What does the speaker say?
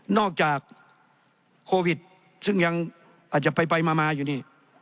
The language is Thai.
อกจากโควิดซึ่งยังอาจจะไปมาอยู่นี่